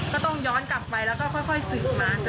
ก็ต้องย้อนกลับไปแล้วก็ค่อยสืบมา